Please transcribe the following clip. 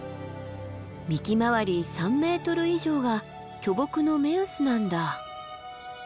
幹回り３ｍ以上が巨木の目安なんだ。